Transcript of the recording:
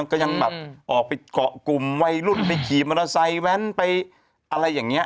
ก็ยังแบบออกไปเกาะกลุ่มวัยรุ่นไปขี่มอเตอร์ไซค์แว้นไปอะไรอย่างนี้